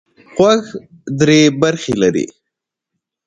غوږ درې برخې لري.